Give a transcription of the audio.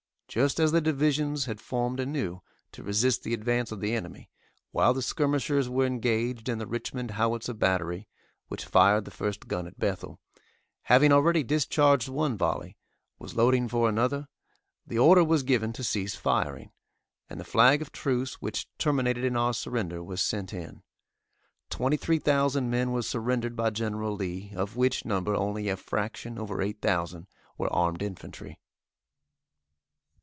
Just as the divisions had formed anew, to resist the advance of the enemy, while the skirmishers were engaged, and the Richmond Howitser battery, (which fired the first gun at Bethel,) having already discharged one volley, was loading for another, the order was given to cease firing, and the flag of truce which terminated in our surrender was sent in. Twenty three thousand men were surrendered by Gen. Lee, of which number only a fraction over 8,000 were armed infantry.